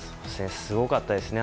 すごかったですね。